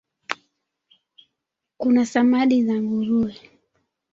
Kuna samadi za nguruwe